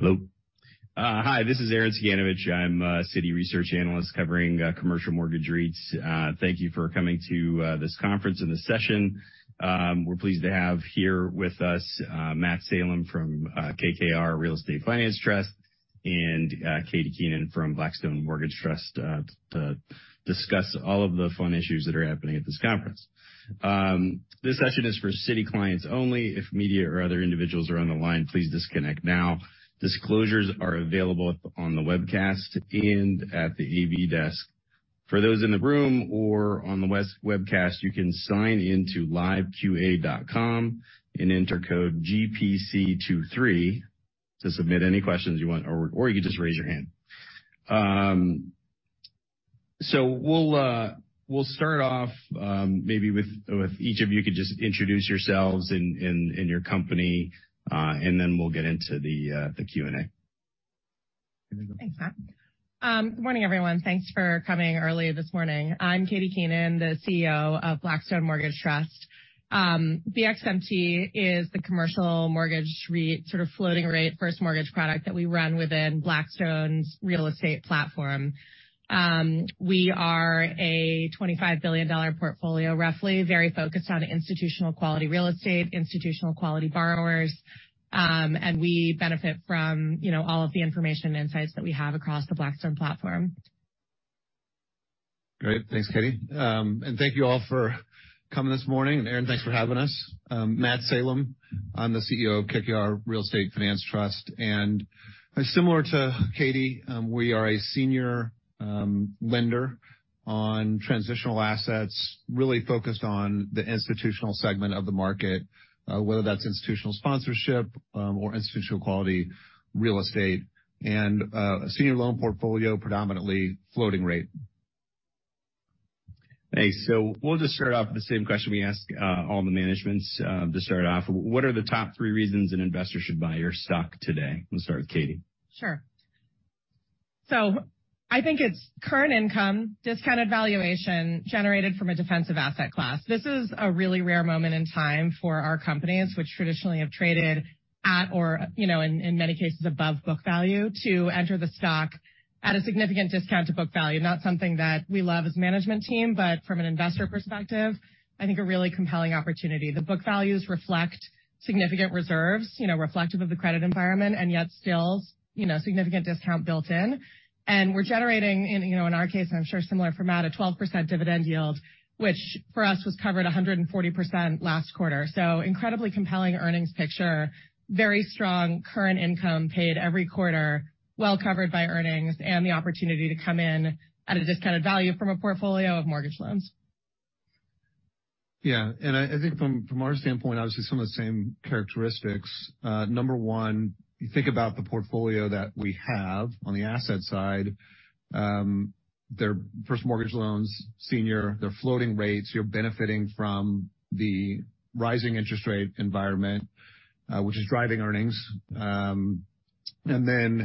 Hello. Hi, this is Arren Cyganovich. I'm a Citi research analyst covering commercial mortgage REITs. Thank you for coming to this conference and this session. We're pleased to have here with us, Matthew Salem from KKR Real Estate Finance Trust, and Katie Keenan from Blackstone Mortgage Trust, to discuss all of the fun issues that are happening at this conference. This session is for Citi clients only. If media or other individuals are on the line, please disconnect now. Disclosures are available on the webcast and at the AV desk. For those in the room or on the webcast, you can sign into liveqa.com and enter code GPC23 to submit any questions you want, or you can just raise your hand. We'll start off, maybe with each of you could just introduce yourselves and your company, then we'll get into the Q&A. Thanks, Matt. Good morning, everyone. Thanks for coming early this morning. I'm Katie Keenan, the CEO of Blackstone Mortgage Trust. BXMT is the commercial mortgage REIT sort of floating rate first mortgage product that we run within Blackstone's real estate platform. We are a $25 billion portfolio, roughly, very focused on institutional quality real estate, institutional quality borrowers, and we benefit from, you know, all of the information and insights that we have across the Blackstone platform. Great. Thanks, Katie. Thank you all for coming this morning. Arren, thanks for having us. Matthew Salem. I'm the CEO of KKR Real Estate Finance Trust, similar to Katie, we are a senior lender on transitional assets, really focused on the institutional segment of the market, whether that's institutional sponsorship, or institutional quality real estate, a senior loan portfolio, predominantly floating rate. Thanks. We'll just start off with the same question we ask, all the managements, to start off. What are the top three reasons an investor should buy your stock today? We'll start with Katie. Sure. I think it's current income, discounted valuation generated from a defensive asset class. This is a really rare moment in time for our companies, which traditionally have traded at or, you know, in many cases above book value, to enter the stock at a significant discount to book value, not something that we love as a management team, but from an investor perspective, I think a really compelling opportunity. The book values reflect significant reserves, you know, reflective of the credit environment, and yet still, you know, significant discount built in. We're generating in, you know, in our case, and I'm sure similar for Matt, a 12% dividend yield, which for us was covered 140% last quarter. Incredibly compelling earnings picture, very strong current income paid every quarter, well covered by earnings and the opportunity to come in at a discounted value from a portfolio of mortgage loans. Yeah. I think from our standpoint, obviously some of the same characteristics. Number one, you think about the portfolio that we have on the asset side, they're first mortgage loans, senior, they're floating rates. You're benefiting from the rising interest rate environment, which is driving earnings. You know,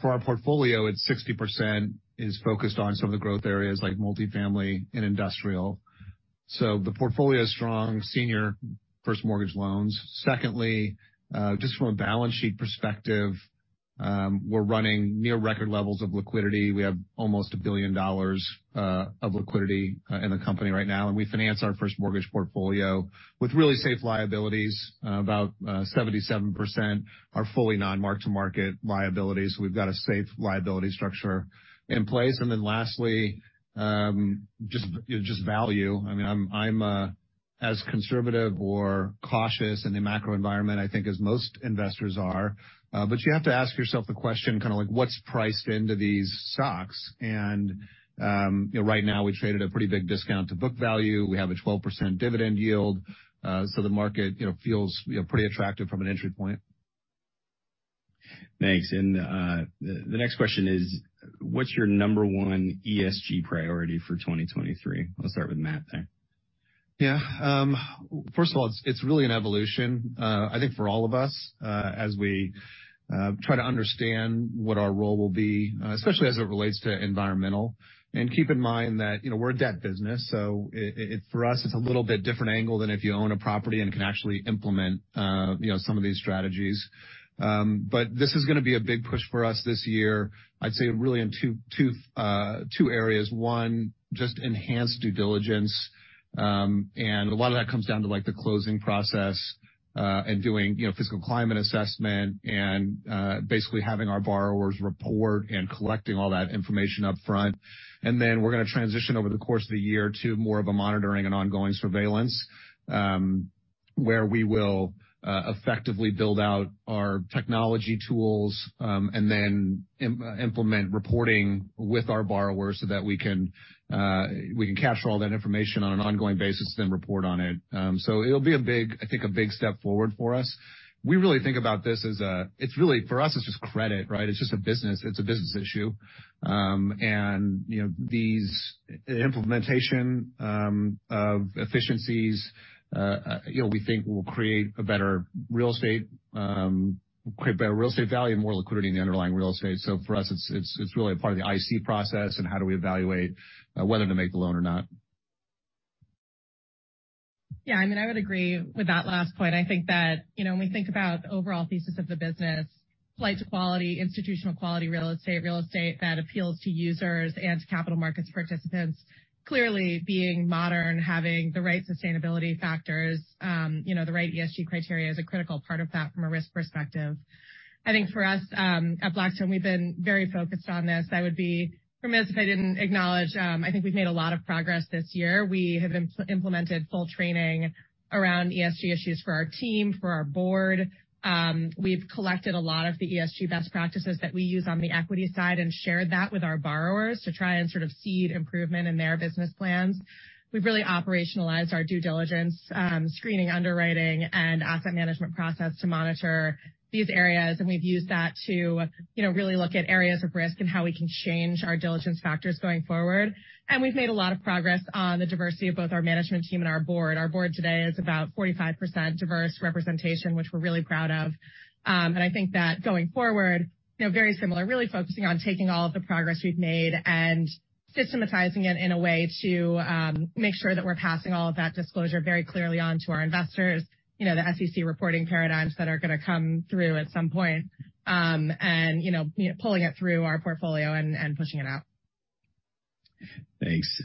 for our portfolio, it's 60% is focused on some of the growth areas like multifamily and industrial. The portfolio is strong senior first mortgage loans. Secondly, just from a balance sheet perspective, we're running near record levels of liquidity. We have almost $1 billion of liquidity in the company right now, and we finance our first mortgage portfolio with really safe liabilities. About, 77% are fully non-mark-to-market liabilities. We've got a safe liability structure in place. Lastly, just, you know, just value. I mean, I'm as conservative or cautious in the macro environment, I think, as most investors are. You have to ask yourself the question, kind of like what's priced into these stocks? Right now, we traded a pretty big discount to book value. We have a 12% dividend yield. The market, you know, feels, you know, pretty attractive from an entry point. Thanks. The next question is, what's your number one ESG priority for 2023? Let's start with Matt there. Yeah. First of all, it's really an evolution, I think for all of us, as we try to understand what our role will be, especially as it relates to environmental. Keep in mind that, you know, we're a debt business, so for us, it's a little bit different angle than if you own a property and can actually implement, you know, some of these strategies. This is gonna be a big push for us this year, I'd say really in two areas. One, just enhanced due diligence. A lot of that comes down to, like, the closing process, and doing, you know, physical climate assessment and basically having our borrowers report and collecting all that information up front. We're gonna transition over the course of the year to more of a monitoring and ongoing surveillance, where we will effectively build out our technology tools, and then implement reporting with our borrowers so that we can capture all that information on an ongoing basis, then report on it. It'll be a big, I think a big step forward for us. We really think about this as it's really, for us, it's just credit, right. It's just a business. It's a business issue. You know, these implementation of efficiencies, you know, we think will create a better real estate, create better real estate value and more liquidity in the underlying real estate. For us, it's really a part of the IC process and how do we evaluate whether to make the loan or not. Yeah. I mean, I would agree with that last point. I think that, you know, when we think about the overall thesis of the business, flight to quality, institutional quality real estate, real estate that appeals to users and to capital markets participants. Clearly being modern, having the right sustainability factors, you know, the right ESG criteria is a critical part of that from a risk perspective. I think for us, at Blackstone, we've been very focused on this. I would be remiss if I didn't acknowledge, I think we've made a lot of progress this year. We have implemented full training around ESG issues for our team, for our board. We've collected a lot of the ESG best practices that we use on the equity side and shared that with our borrowers to try and sort of seed improvement in their business plans. We've really operationalized our due diligence, screening, underwriting, and asset management process to monitor these areas, and we've used that to, you know, really look at areas of risk and how we can change our diligence factors going forward. We've made a lot of progress on the diversity of both our management team and our board. Our board today is about 45% diverse representation, which we're really proud of. I think that going forward, you know, very similar, really focusing on taking all of the progress we've made and systematizing it in a way to make sure that we're passing all of that disclosure very clearly on to our investors. You know, the SEC reporting paradigms that are gonna come through at some point, and, you know, pulling it through our portfolio and pushing it out. Thanks.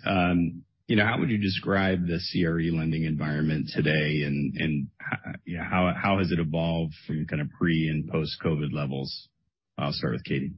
You know, how would you describe the CRE lending environment today and, how has it evolved from kind of pre- and post-COVID levels? I'll start with Katie.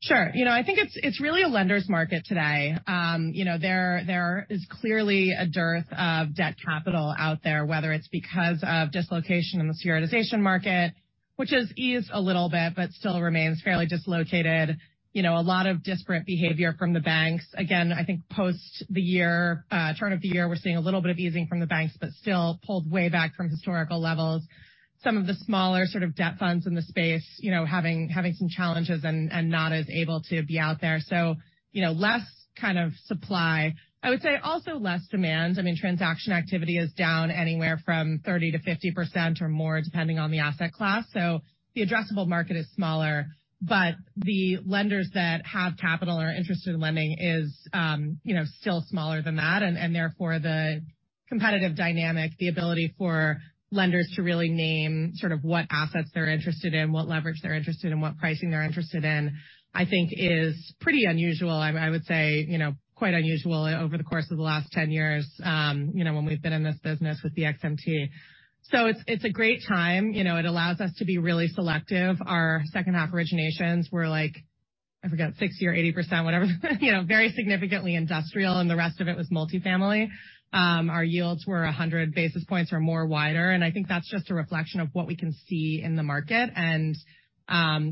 Sure. You know, I think it's really a lender's market today. You know, there is clearly a dearth of debt capital out there, whether it's because of dislocation in the securitization market, which has eased a little bit but still remains fairly dislocated. You know, a lot of disparate behavior from the banks. Again, I think post the year, turn of the year, we're seeing a little bit of easing from the banks, but still pulled way back from historical levels. Some of the smaller sort of debt funds in the space, you know, having some challenges and not as able to be out there. You know, less kind of supply. I would say also less demand. I mean, transaction activity is down anywhere from 30%-50% or more, depending on the asset class. The addressable market is smaller, but the lenders that have capital or are interested in lending is, you know, still smaller than that. Therefore, the competitive dynamic, the ability for lenders to really name sort of what assets they're interested in, what leverage they're interested in, what pricing they're interested in, I think is pretty unusual. I would say, you know, quite unusual over the course of the last 10 years, you know, when we've been in this business with the BXMT. It's a great time. You know, it allows us to be really selective. Our second-half originations were like, I forget, 60% or 80%, whatever, you know, very significantly industrial, and the rest of it was multifamily. Our yields were 100 basis points or more wider, and I think that's just a reflection of what we can see in the market and,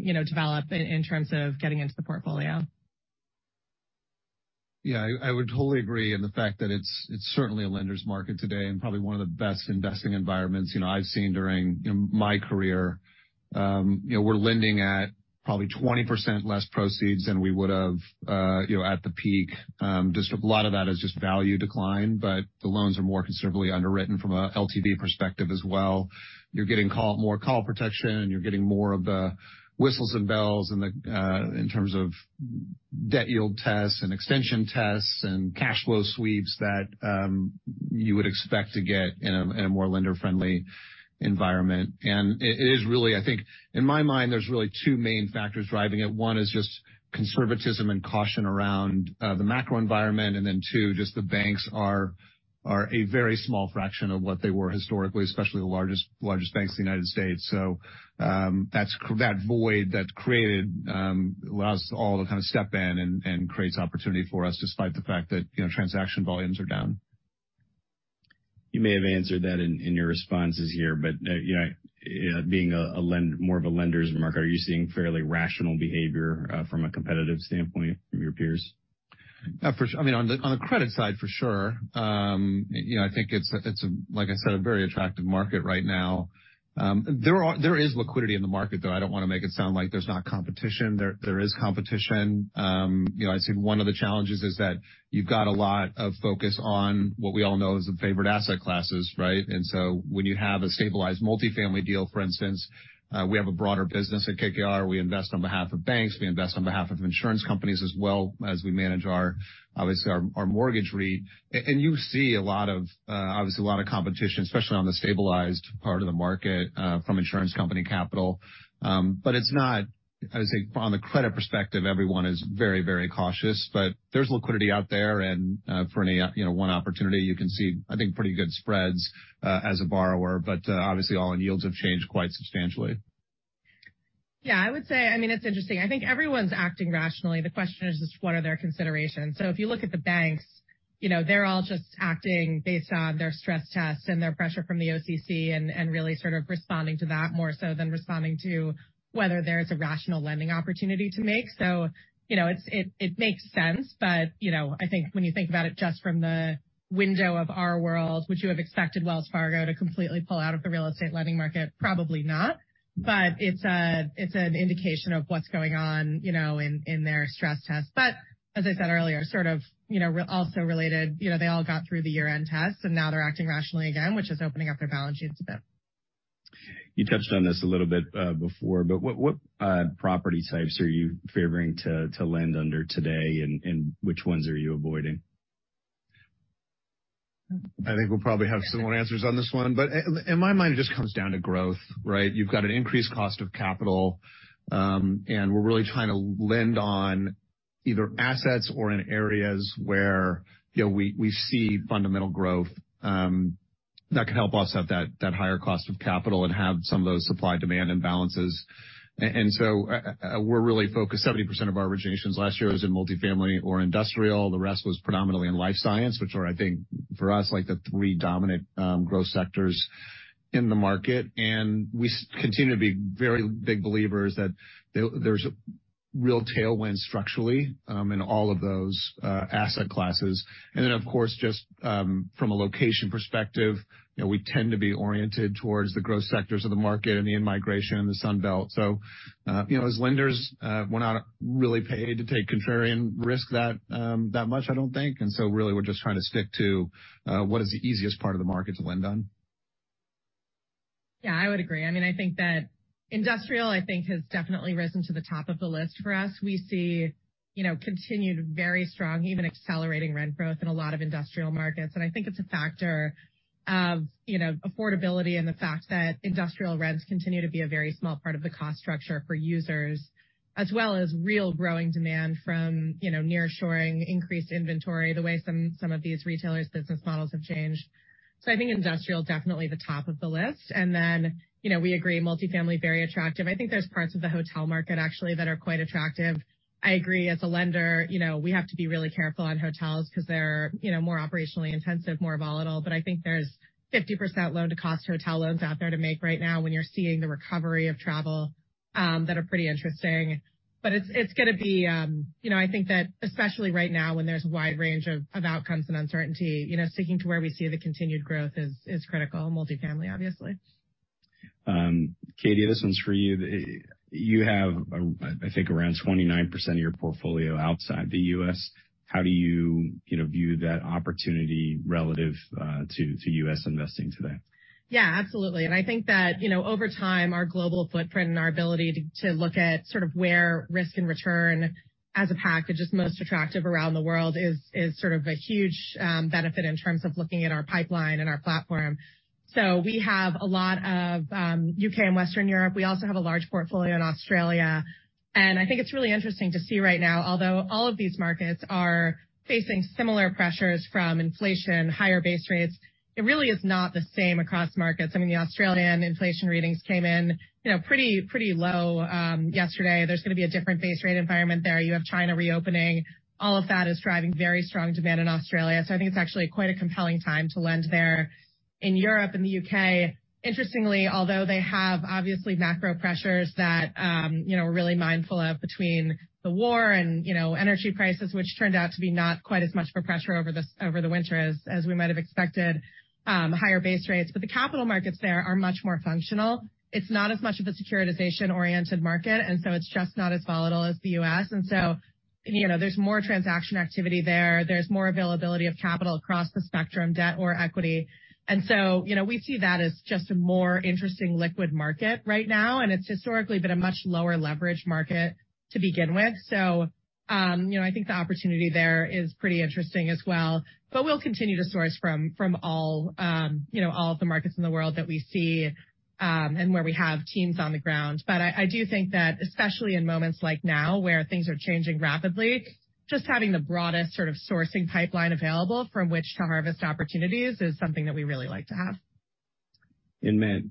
you know, develop in terms of getting into the portfolio. Yeah. I would totally agree in the fact that it's certainly a lender's market today and probably one of the best investing environments, you know, I've seen during, you know, my career. You know, we're lending at probably 20% less proceeds than we would've, you know, at the peak. Just a lot of that is just value decline, but the loans are more considerably underwritten from a LTV perspective as well. You're getting more call protection, and you're getting more of the whistles and bells in terms of debt yield tests and extension tests and cash flow sweeps that you would expect to get in a more lender-friendly environment. It is really, I think, in my mind, there's really two main factors driving it. One is just conservatism and caution around the macro environment. Two, just the banks are a very small fraction of what they were historically, especially the largest banks in the United States. That void that's created allows us all to kind of step in and creates opportunity for us despite the fact that, you know, transaction volumes are down. You may have answered that in your responses here, you know, being more of a lenders market, are you seeing fairly rational behavior from a competitive standpoint from your peers? I mean, on the, on the credit side, for sure. You know, I think it's a, it's a, like I said, a very attractive market right now. There is liquidity in the market, though. I don't wanna make it sound like there's not competition. There is competition. You know, I'd say one of the challenges is that you've got a lot of focus on what we all know is the favorite asset classes, right? When you have a stabilized multifamily deal, for instance, we have a broader business at KKR. We invest on behalf of banks. We invest on behalf of insurance companies as well as we manage our, obviously our mortgage REIT. You see a lot of, obviously a lot of competition, especially on the stabilized part of the market, from insurance company capital. It's not, I would say from the credit perspective, everyone is very, very cautious. There's liquidity out there and, for any, you know, one opportunity you can see, I think, pretty good spreads, as a borrower. Obviously all-in yields have changed quite substantially. I would say, I mean, it's interesting. I think everyone's acting rationally. The question is just what are their considerations? If you look at the banks, you know, they're all just acting based on their stress tests and their pressure from the OCC and really sort of responding to that more so than responding to whether there's a rational lending opportunity to make. You know, it makes sense. You know, I think when you think about it just from the window of our world, would you have expected Wells Fargo to completely pull out of the real estate lending market? Probably not. It's an indication of what's going on, you know, in their stress test. As I said earlier, sort of, you know, also related, you know, they all got through the year-end tests, and now they're acting rationally again, which is opening up their balance sheets a bit. You touched on this a little bit, before, but what property types are you favoring to lend under today and which ones are you avoiding? I think we'll probably have similar answers on this one, but in my mind it just comes down to growth, right? You've got an increased cost of capital, and we're really trying to lend on either assets or in areas where, you know, we see fundamental growth that can help us have that higher cost of capital and have some of those supply-demand imbalances. We're really focused. 70% of our originations last year was in multifamily or industrial. The rest was predominantly in life science, which were, I think, for us, like the three dominant growth sectors in the market. We continue to be very big believers that there's a real tailwind structurally in all of those asset classes. Of course, just, from a location perspective, you know, we tend to be oriented towards the growth sectors of the market and the in-migration and the Sun Belt. You know, as lenders, we're not really paid to take contrarian risk that much, I don't think. Really we're just trying to stick to, what is the easiest part of the market to lend on. Yeah, I would agree. I mean, I think that industrial, I think, has definitely risen to the top of the list for us. We see, you know, continued very strong, even accelerating rent growth in a lot of industrial markets. I think it's a factor of, you know, affordability and the fact that industrial rents continue to be a very small part of the cost structure for users, as well as real growing demand from, you know, nearshoring increased inventory, the way some of these retailers' business models have changed. I think industrial, definitely the top of the list. Then, you know, we agree, multifamily, very attractive. I think there's parts of the hotel market actually that are quite attractive. I agree, as a lender, you know, we have to be really careful on hotels 'cause they're, you know, more operationally intensive, more volatile. I think there's 50% loan-to-cost hotel loans out there to make right now when you're seeing the recovery of travel, that are pretty interesting. It's gonna be, you know. I think that especially right now when there's a wide range of outcomes and uncertainty, you know, sticking to where we see the continued growth is critical. Multifamily, obviously. Katie, this one's for you. You have, I think, around 29% of your portfolio outside the US. How do you know, view that opportunity relative to US investing today? Yeah, absolutely. I think that, you know, over time, our global footprint and our ability to look at sort of where risk and return as a package is most attractive around the world is sort of a huge benefit in terms of looking at our pipeline and our platform. We have a lot of UK and Western Europe. We also have a large portfolio in Australia. I think it's really interesting to see right now, although all of these markets are facing similar pressures from inflation, higher base rates, it really is not the same across markets. I mean, the Australian inflation readings came in, you know, pretty low yesterday. There's gonna be a different base rate environment there. You have China reopening. All of that is driving very strong demand in Australia. I think it's actually quite a compelling time to lend there. In Europe and the UK, interestingly, although they have obviously macro pressures that, you know, we're really mindful of between the war and, you know, energy prices, which turned out to be not quite as much of a pressure over the, over the winter as we might have expected, higher base rates, but the capital markets there are much more functional. It's not as much of a securitization-oriented market, and so it's just not as volatile as the US. You know, there's more transaction activity there. There's more availability of capital across the spectrum, debt or equity. You know, we see that as just a more interesting liquid market right now, and it's historically been a much lower leverage market to begin with. You know, I think the opportunity there is pretty interesting as well. We'll continue to source from all, you know, all of the markets in the world that we see, and where we have teams on the ground. I do think that especially in moments like now where things are changing rapidly, just having the broadest sort of sourcing pipeline available from which to harvest opportunities is something that we really like to have. Matt,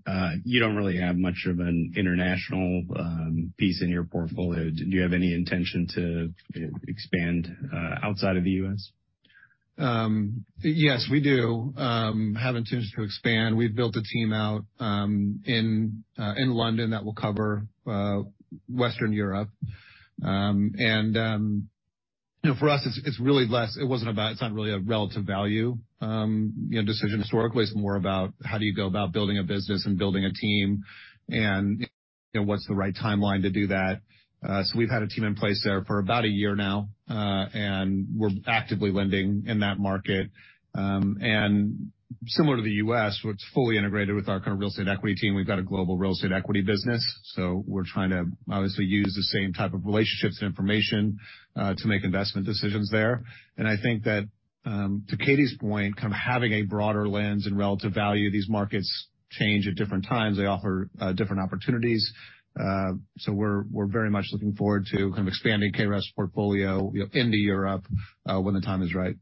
you don't really have much of an international piece in your portfolio. Do you have any intention to expand outside of the US? Yes, we do have intentions to expand. We've built a team out in London that will cover Western Europe. You know, for us it's really less, it wasn't about, it's not really a relative value, you know, decision historically. It's more about how do you go about building a business and building a team and, you know, what's the right timeline to do that. We've had a team in place there for about a year now, and we're actively lending in that market. Similar to the US, it's fully integrated with our kind of real estate equity team. We've got a global real estate equity business, so we're trying to obviously use the same type of relationships and information to make investment decisions there. I think that, to Katie's point, kind of having a broader lens in relative value, these markets change at different times. They offer different opportunities. We're very much looking forward to kind of expanding KREF portfolio, you know, into Europe, when the time is right.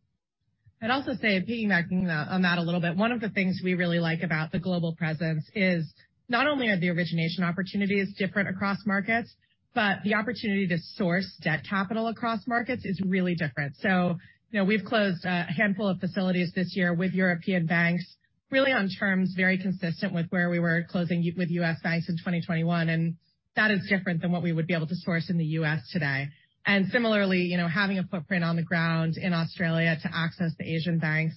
I'd also say, piggybacking on that a little bit, one of the things we really like about the global presence is not only are the origination opportunities different across markets, but the opportunity to source debt capital across markets is really different. You know, we've closed a handful of facilities this year with European banks really on terms very consistent with where we were closing with US banks in 2021, and that is different than what we would be able to source in the US today. Similarly, you know, having a footprint on the ground in Australia to access the Asian banks,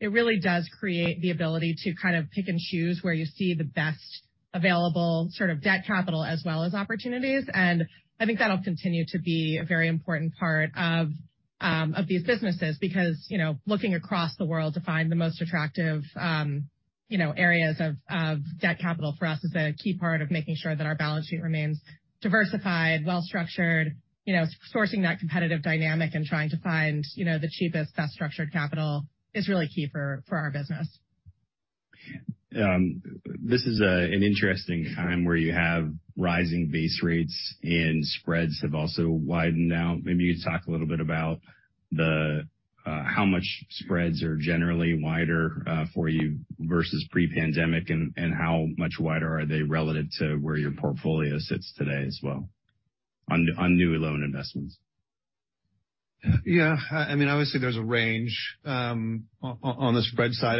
it really does create the ability to kind of pick and choose where you see the best available sort of debt capital as well as opportunities. I think that'll continue to be a very important part of these businesses because, you know, looking across the world to find the most attractive, you know, areas of debt capital for us is a key part of making sure that our balance sheet remains diversified, well-structured. You know, sourcing that competitive dynamic and trying to find, you know, the cheapest, best structured capital is really key for our business. This is an interesting time where you have rising base rates and spreads have also widened out. Maybe you could talk a little bit about the how much spreads are generally wider for you versus pre-pandemic, and how much wider are they relative to where your portfolio sits today as well on new loan investments. I mean, obviously, there's a range on the spread side.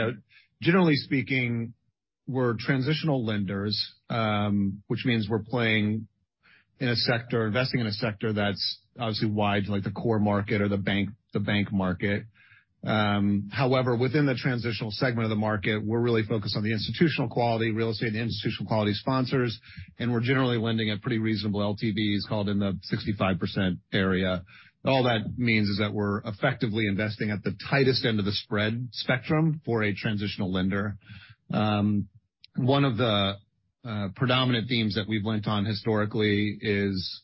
Generally speaking, we're transitional lenders, which means we're investing in a sector that's obviously wide, like the core market or the bank market. However, within the transitional segment of the market, we're really focused on the institutional quality real estate and institutional quality sponsors, and we're generally lending at pretty reasonable LTVs called in the 65% area. All that means is that we're effectively investing at the tightest end of the spread spectrum for a transitional lender. One of the predominant themes that we've lent on historically is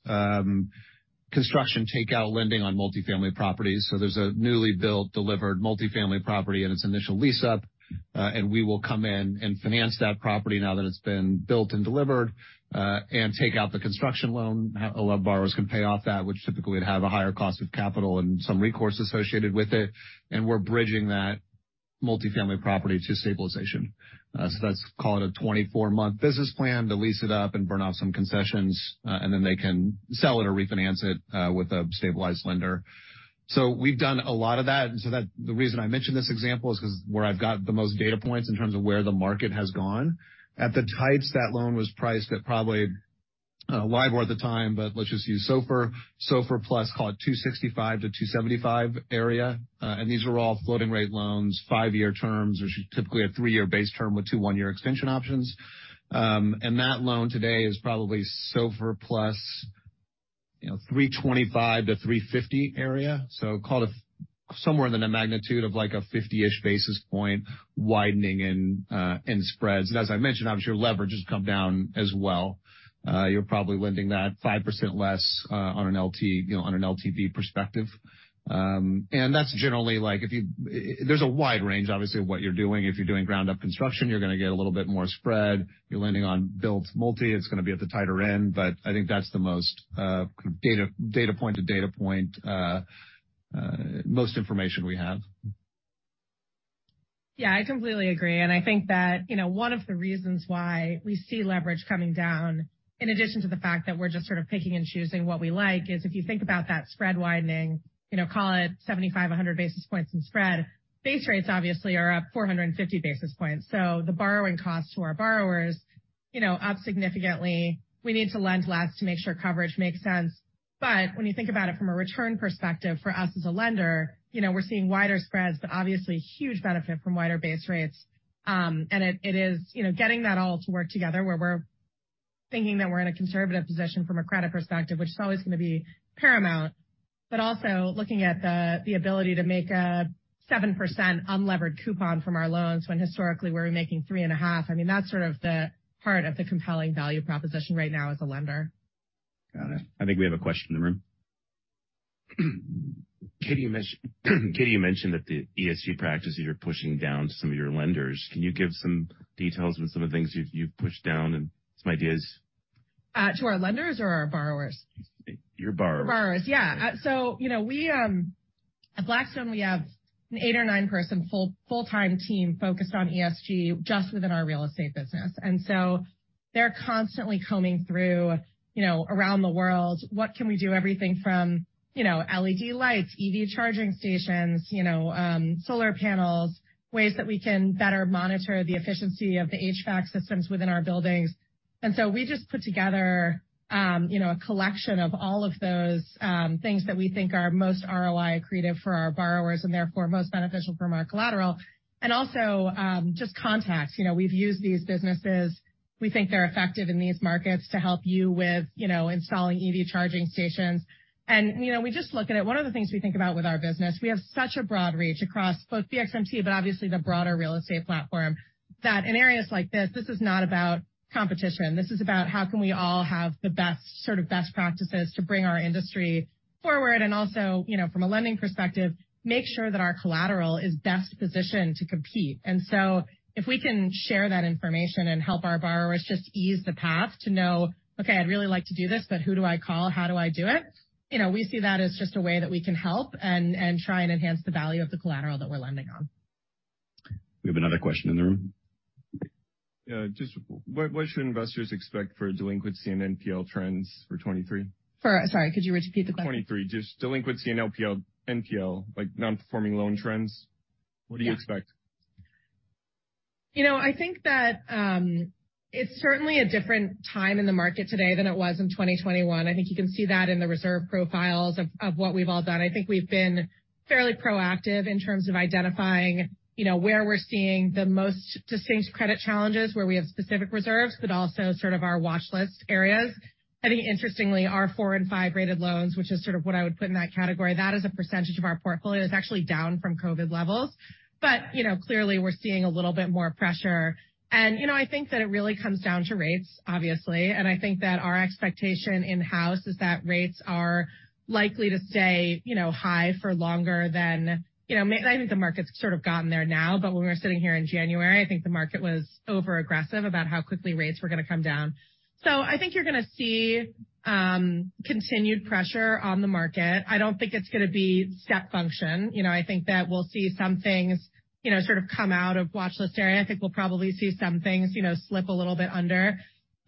construction takeout lending on multifamily properties. There's a newly built, delivered multifamily property in its initial lease-up, we will come in and finance that property now that it's been built and delivered, and take out the construction loan. Allow borrowers can pay off that, which typically would have a higher cost of capital and some recourse associated with it. We're bridging that multifamily property to stabilization. That's called a 24-month business plan to lease it up and burn off some concessions, then they can sell it or refinance it with a stabilized lender. We've done a lot of that. The reason I mention this example is 'cause where I've got the most data points in terms of where the market has gone. At the types that loan was priced at probably wide at the time, let's just use SOFR. SOFR plus call it 265-275 area. These are all floating rate loans, five-year terms. There's typically a three-year base term with two one-year extension options. That loan today is probably SOFR plus, you know, 325-350 area. Call it somewhere in the magnitude of, like, a 50-ish basis point widening in spreads. As I mentioned, obviously your leverage has come down as well. You're probably lending that 5% less, you know, on an LTV perspective. That's generally like. There's a wide range, obviously, of what you're doing. If you're doing ground up construction, you're gonna get a little bit more spread. You're lending on built multi, it's gonna be at the tighter end. I think that's the most data point to data point most information we have. Yeah, I completely agree. I think that, you know, one of the reasons why we see leverage coming down, in addition to the fact that we're just sort of picking and choosing what we like, is if you think about that spread widening, you know, call it 75, 100 basis points in spread. Base rates obviously are up 450 basis points. The borrowing cost to our borrowers, you know, up significantly. We need to lend less to make sure coverage makes sense. When you think about it from a return perspective, for us as a lender, you know, we're seeing wider spreads, but obviously huge benefit from wider base rates. It is, you know, getting that all to work together where we're thinking that we're in a conservative position from a credit perspective, which is always gonna be paramount. Also looking at the ability to make a 7% unlevered coupon from our loans when historically we're making three and a half. I mean, that's sort of the heart of the compelling value proposition right now as a lender. Got it. I think we have a question in the room. Katie, you mentioned that the ESG practices you're pushing down to some of your lenders. Can you give some details on some of the things you've pushed down and some ideas? To our lenders or our borrowers? Your borrowers. Borrowers. Yeah. You know, we at Blackstone, we have an eight or nine person full-time team focused on ESG just within our real estate business. They're constantly combing through, you know, around the world, what can we do? Everything from, you know, LED lights, EV charging stations, you know, solar panels, ways that we can better monitor the efficiency of the HVAC systems within our buildings. We just put together, you know, a collection of all of those things that we think are most ROI accretive for our borrowers and therefore most beneficial from our collateral. Also, just contacts. You know, we've used these businesses. We think they're effective in these markets to help you with, you know, installing EV charging stations. You know, we just look at it. One of the things we think about with our business, we have such a broad reach across both BXMT, obviously the broader real estate platform, that in areas like this is not about competition. This is about how can we all have the best, sort of best practices to bring our industry forward. Also, you know, from a lending perspective, make sure that our collateral is best positioned to compete. If we can share that information and help our borrowers just ease the path to know, "Okay, I'd really like to do this, but who do I call? How do I do it?" You know, we see that as just a way that we can help and try and enhance the value of the collateral that we're lending on. We have another question in the room. Yeah. Just what should investors expect for delinquency and NPL trends for 2023? Sorry, could you repeat the question? 23. Just delinquency and NPL, like Non-Performing Loan trends. What do you expect? You know, I think that, it's certainly a different time in the market today than it was in 2021. I think you can see that in the reserve profiles of what we've all done. I think we've been fairly proactive in terms of identifying, you know, where we're seeing the most distinct credit challenges where we have specific reserves, but also sort of our watch list areas. I think interestingly, our four and five rated loans, which is sort of what I would put in that category, that as a percentage of our portfolio is actually down from COVID levels. You know, clearly we're seeing a little bit more pressure. You know, I think that it really comes down to rates, obviously. I think that our expectation in-house is that rates are likely to stay, you know, high for longer than, you know, I think the market's sort of gotten there now, but when we were sitting here in January, I think the market was overaggressive about how quickly rates were gonna come down. I think you're gonna see continued pressure on the market. I don't think it's gonna be step function. You know, I think that we'll see some things, you know, sort of come out of watch list area. I think we'll probably see some things, you know, slip a little bit under.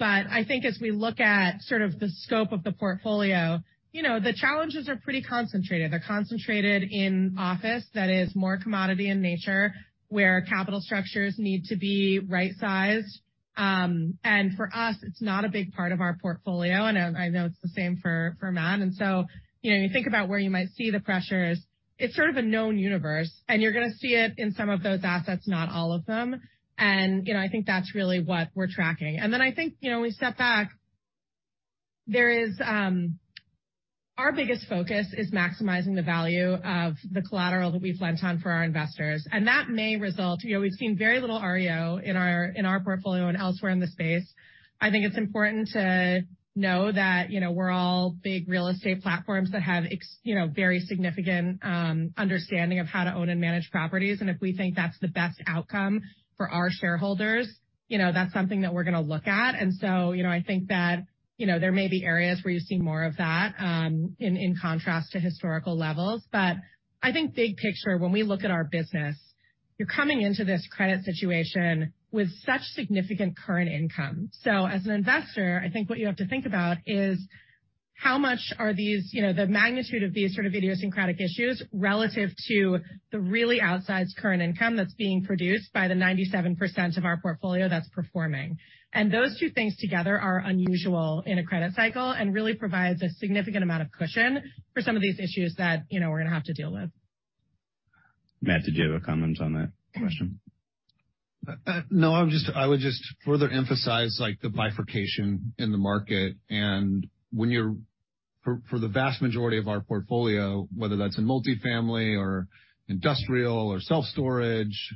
I think as we look at sort of the scope of the portfolio, you know, the challenges are pretty concentrated. They're concentrated in office that is more commodity in nature, where capital structures need to be right-sized. For us, it's not a big part of our portfolio, and I know it's the same for Matt. You know, you think about where you might see the pressures, it's sort of a known universe, and you're gonna see it in some of those assets, not all of them. You know, I think that's really what we're tracking. I think, you know, when we step back, there is, our biggest focus is maximizing the value of the collateral that we've lent on for our investors. That may result, you know, we've seen very little REO in our portfolio and elsewhere in the space. I think it's important to know that, you know, we're all big real estate platforms that have, you know, very significant understanding of how to own and manage properties. If we think that's the best outcome for our shareholders, you know, that's something that we're gonna look at. I think that, you know, there may be areas where you see more of that, in contrast to historical levels. I think big picture, when we look at our business, you're coming into this credit situation with such significant current income. As an investor, I think what you have to think about is how much are these, you know, the magnitude of these sort of idiosyncratic issues relative to the really outsized current income that's being produced by the 97% of our portfolio that's performing. Those two things together are unusual in a credit cycle and really provides a significant amount of cushion for some of these issues that, you know, we're gonna have to deal with. Matt, did you have a comment on that question? No. I would just further emphasize, like, the bifurcation in the market. For, for the vast majority of our portfolio, whether that's in multifamily or industrial or self-storage,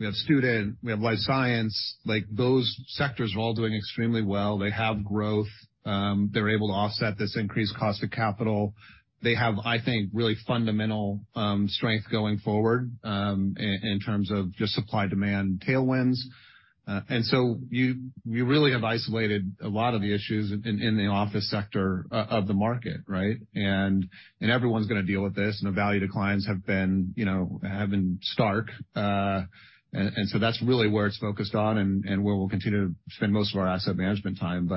we have student, we have life science, like, those sectors are all doing extremely well. They have growth. They're able to offset this increased cost of capital. They have, I think, really fundamental strength going forward, in terms of just supply demand tailwinds. So you really have isolated a lot of the issues in the office sector of the market, right? Everyone's gonna deal with this, and the value declines have been, you know, have been stark. So that's really where it's focused on and where we'll continue to spend most of our asset management time.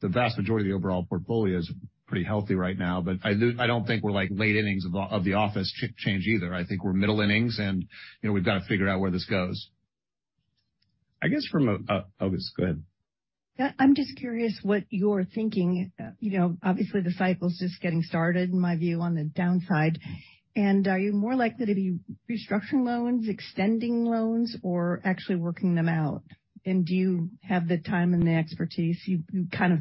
The vast majority of the overall portfolio is pretty healthy right now. I don't think we're, like, late innings of the office change either. I think we're middle innings and, you know, we've got to figure out where this goes. I guess from August, go ahead. Yeah. I'm just curious what you're thinking. You know, obviously, the cycle's just getting started, in my view, on the downside. Are you more likely to be restructuring loans, extending loans, or actually working them out? Do you have the time and the expertise? You kind of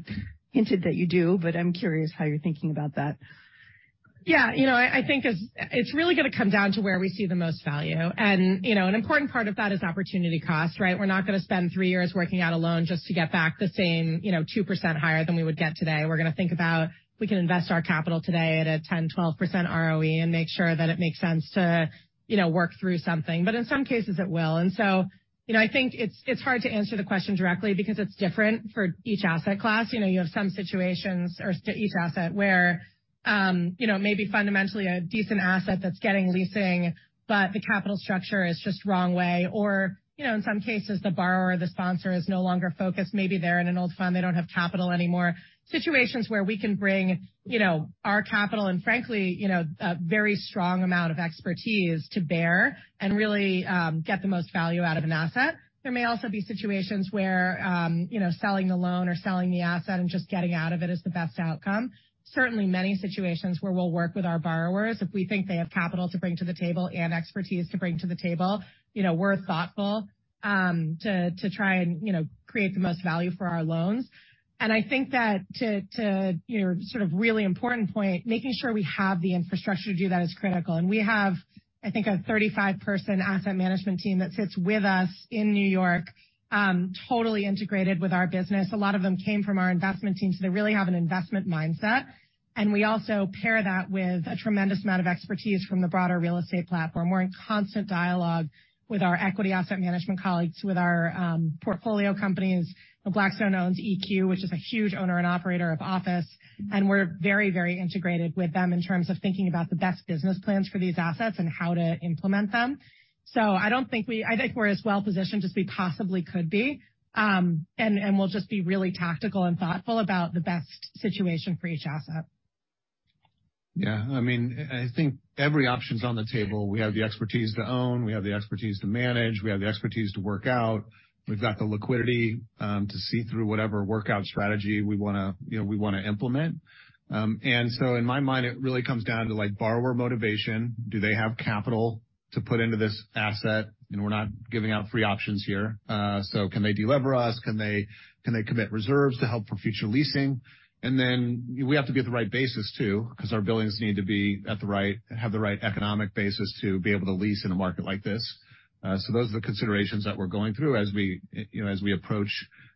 hinted that you do, but I'm curious how you're thinking about that. Yeah. You know, I think it's really gonna come down to where we see the most value. You know, an important part of that is opportunity cost, right? We're not gonna spend three years working out a loan just to get back the same, you know, 2% higher than we would get today. We're gonna think about if we can invest our capital today at a 10%, 12% ROE and make sure that it makes sense to, you know, work through something. In some cases, it will. You know, I think it's hard to answer the question directly because it's different for each asset class. You know, you have some situations or each asset where, you know, it may be fundamentally a decent asset that's getting leasing, but the capital structure is just wrong way or, you know, in some cases, the borrower or the sponsor is no longer focused. Maybe they're in an old fund. They don't have capital anymore. Situations where we can bring, you know, our capital and frankly, you know, a very strong amount of expertise to bear and really, get the most value out of an asset. There may also be situations where, you know, selling the loan or selling the asset and just getting out of it is the best outcome. Certainly many situations where we'll work with our borrowers if we think they have capital to bring to the table and expertise to bring to the table. You know, we're thoughtful, to try and, you know, create the most value for our loans. I think that to, you know, sort of really important point, making sure we have the infrastructure to do that is critical. We have, I think, a 35-person asset management team that sits with us in New York, totally integrated with our business. A lot of them came from our investment team, so they really have an investment mindset. We also pair that with a tremendous amount of expertise from the broader real estate platform. We're in constant dialogue with our equity asset management colleagues, with our portfolio companies. You know, Blackstone owns EQ, which is a huge owner and operator of office, and we're very, very integrated with them in terms of thinking about the best business plans for these assets and how to implement them. I think we're as well positioned as we possibly could be. We'll just be really tactical and thoughtful about the best situation for each asset. I mean, I think every option is on the table. We have the expertise to own, we have the expertise to manage, we have the expertise to work out. We've got the liquidity to see through whatever workout strategy we wanna, you know, we wanna implement. In my mind, it really comes down to, like borrower motivation. Do they have capital to put into this asset? We're not giving out free options here. Can they delever us? Can they commit reserves to help for future leasing? Then we have to be at the right basis too, because our billings need to have the right economic basis to be able to lease in a market like this. Those are the considerations that we're going through as we, you know, as we approach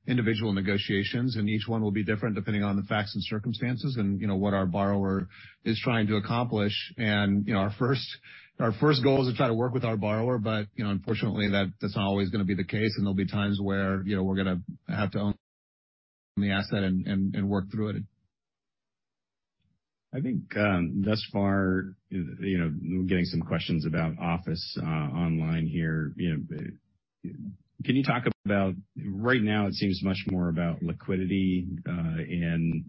individual negotiations, and each one will be different depending on the facts and circumstances and, you know, what our borrower is trying to accomplish. You know, our first goal is to try to work with our borrower. You know, unfortunately that's not always gonna be the case, and there'll be times where, you know, we're gonna have to own the asset and work through it. I think, thus far, you know, getting some questions about office online here. You know, can you talk about right now it seems much more about liquidity, and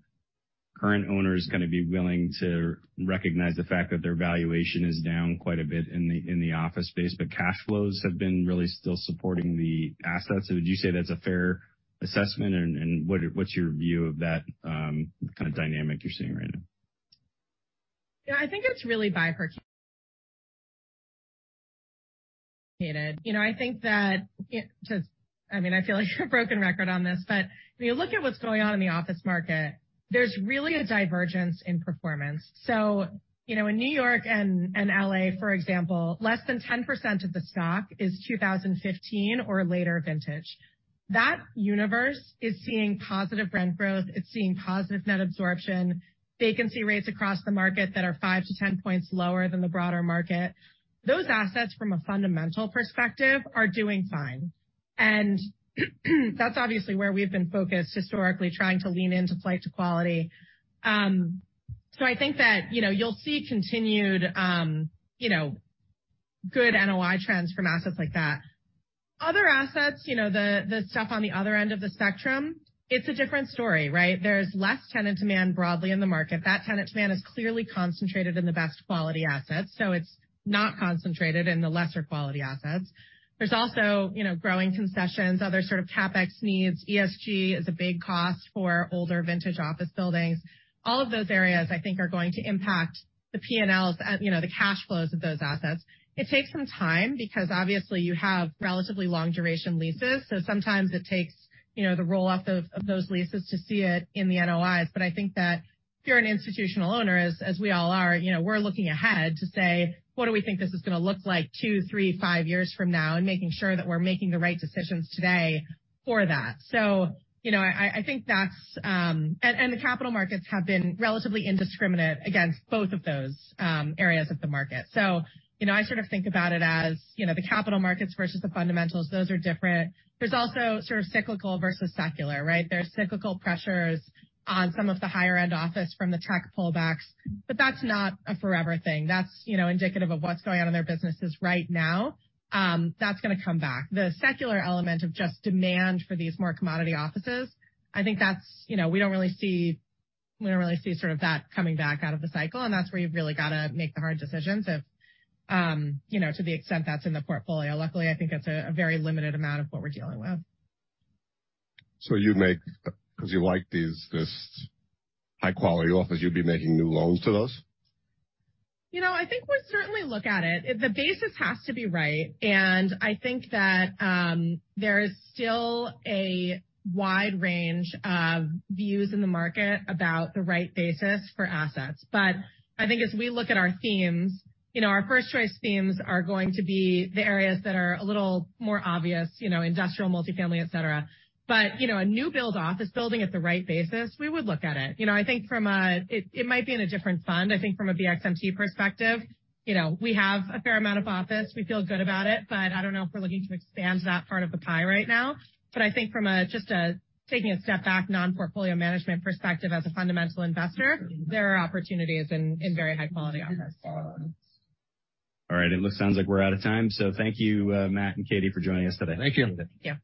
current owners gonna be willing to recognize the fact that their valuation is down quite a bit in the office space, but cash flows have been really still supporting the assets. Would you say that's a fair assessment? What's your view of that, kind of dynamic you're seeing right now? I think it's really bifurcated. You know, I think that, I mean, I feel like a broken record on this, when you look at what's going on in the office market, there's really a divergence in performance. You know, in New York and LA, for example, less than 10% of the stock is 2015 or later vintage. That universe is seeing positive rent growth, it's seeing positive net absorption, vacancy rates across the market that are 5-10 points lower than the broader market. Those assets, from a fundamental perspective, are doing fine. That's obviously where we've been focused historically, trying to lean into flight to quality. I think that, you know, you'll see continued, you know, good NOI trends from assets like that. Other assets, you know, the stuff on the other end of the spectrum, it's a different story, right? There's less tenant demand broadly in the market. That tenant demand is clearly concentrated in the best quality assets, so it's not concentrated in the lesser quality assets. There's also, you know, growing concessions, other sort of CapEx needs. ESG is a big cost for older vintage office buildings. All of those areas, I think, are going to impact the PNLs, you know, the cash flows of those assets. It takes some time because obviously you have relatively long duration leases, so sometimes it takes, you know, the roll-off of those leases to see it in the NOIs. I think that if you're an institutional owner, as we all are, you know, we're looking ahead to say, what do we think this is gonna look like two, three, five years from now? Making sure that we're making the right decisions today for that. You know, I think that's. The capital markets have been relatively indiscriminate against both of those areas of the market. You know, I sort of think about it as, you know, the capital markets versus the fundamentals. Those are different. There's also sort of cyclical versus secular, right? There's cyclical pressures on some of the higher end office from the tech pullbacks, but that's not a forever thing. That's, you know, indicative of what's going on in their businesses right now. That's gonna come back. The secular element of just demand for these more commodity offices. I think that's, you know, we don't really see sort of that coming back out of the cycle. That's where you've really got to make the hard decisions if, you know, to the extent that's in the portfolio. Luckily, I think it's a very limited amount of what we're dealing with. This high quality office, you'd be making new loans to those. You know, I think we certainly look at it. The basis has to be right. I think that, there is still a wide range of views in the market about the right basis for assets. I think as we look at our themes, you know, our first choice themes are going to be the areas that are a little more obvious, you know, industrial, multifamily, et cetera. You know, a new build office building at the right basis, we would look at it. You know, I think it might be in a different fund. I think from a BXMT perspective, you know, we have a fair amount of office. We feel good about it, but I don't know if we're looking to expand that part of the pie right now. I think from just taking a step back, non-portfolio management perspective as a fundamental investor, there are opportunities in very high quality office. All right, it looks, sounds like we're out of time. Thank you, Matt and Katie, for joining us today. Thank you. Yeah.